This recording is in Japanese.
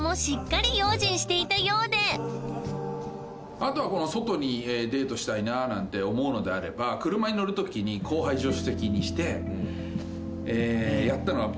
あとは外にデートしたいななんて思うのであれば車に乗る時に寝かす。